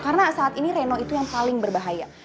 karena saat ini reno itu yang paling berbahaya